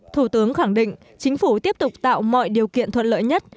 thủ tướng khẳng định chính phủ tiếp tục tạo mọi điều kiện thuận lợi nhất